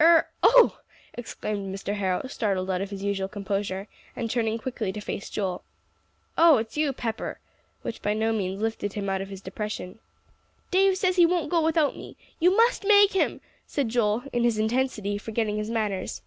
"Er oh!" exclaimed Mr. Harrow, startled out of his usual composure, and turning quickly to face Joel. "Oh, it's you, Pepper!" which by no means lifted him out of his depression. "Dave says he won't go without me. You must make him," said Joel, in his intensity forgetting his manners.